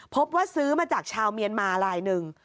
พบว่าซื้อมาจากชาวเมียนมาลายหนึ่ง